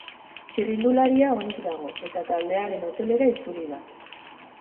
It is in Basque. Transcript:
Txirrindularia onik dago, eta taldearen hotelera itzuli da.